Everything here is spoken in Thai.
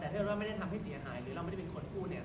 แต่ถ้าเกิดว่าไม่ได้ทำให้เสียหายหรือเราไม่ได้เป็นคนพูดเนี่ย